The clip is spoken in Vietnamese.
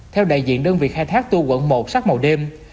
theo đại diện đơn vị khai thác tour quận một sắc màu đêm